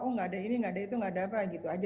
oh nggak ada ini nggak ada itu nggak ada apa gitu aja